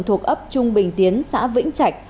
thuộc ấp trung bình tiến xã vĩnh trạch